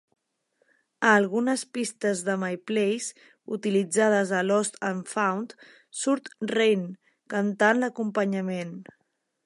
A algunes pistes de "My Place" utilitzades a "Lost and Found" surt Reyne cantant l'acompanyament.